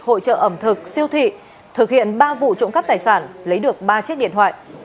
hội trợ ẩm thực siêu thị thực hiện ba vụ trộm cắp tài sản lấy được ba chiếc điện thoại